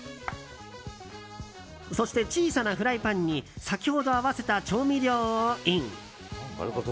そして小さなフライパンに先ほど合わせた調味料をイン。